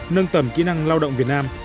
nâng tầm kỹ năng lao động việt nam